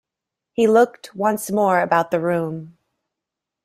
He looked once more about the room.